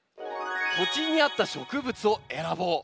「土地に合った植物を選ぼう」。